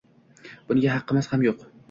Bunga haqqimiz ham yo‘q